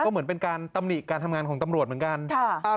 ก็เหมือนเป็นการตำหนิการทำงานของตำรวจเหมือนกัน